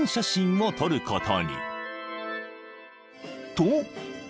［と］